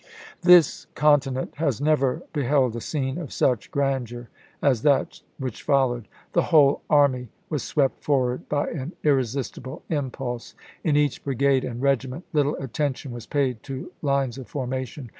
This continent has never beheld a scene of such grandeur as that which followed. The whole army was swept forward by an irresistible impulse. In each brigade and regiment little attention was paid to lines of formation.